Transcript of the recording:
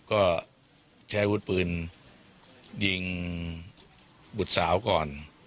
ก็ใช้อาวุธปืนยิงบุตรสาวก่อน